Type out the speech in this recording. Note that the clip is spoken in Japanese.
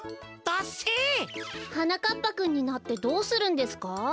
ダッセえ！はなかっぱくんになってどうするんですか？